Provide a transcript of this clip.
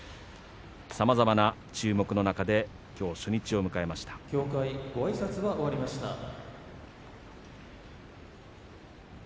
さまざまな注目の中できょう初日を迎えました。